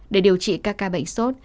để điều trị các ca bệnh sốt